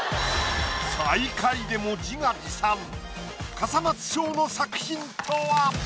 笠松将の作品とは？